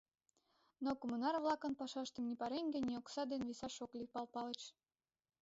Но коммунар-влакын пашаштым ни пареҥге, ни окса дене висаш ок лий, Пал Палыч.